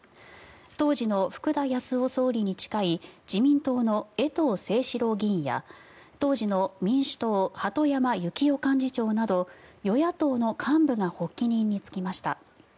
当時の福田康夫総理に近い自民党の衛藤征士郎議員や当時の民主党、鳩山由紀夫幹事長など与野党の幹部が発起人に就きました。